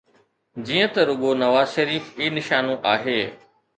جيئن ته رڳو نواز شريف ئي نشانو آهي.